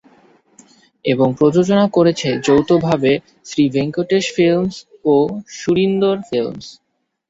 এবং প্রযোজনা করেছে যৌথভাবে শ্রী ভেঙ্কটেশ ফিল্মস ও সুরিন্দর ফিল্মস।